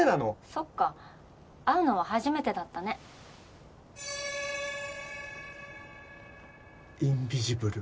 そっか会うのは初めてだったねインビジブル！？